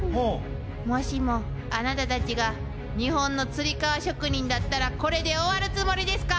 もしもあなたたちが日本のつり革職人だったらこれで終わるつもりですか？